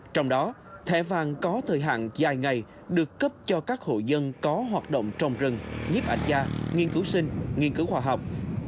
trong đó thẻ vàng có thời hạn dài ngày được cấp cho các hộ dân có hoạt động trồng rừng nhiếp ảnh gia nghiên cứu sinh nghiên cứu khoa học